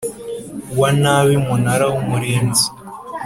wa nabi Umunara w Umurinzi